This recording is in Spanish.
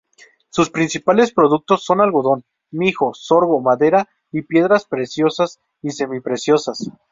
Sus principales productos son algodón, mijo, sorgo, madera y piedras preciosas y semipreciosas.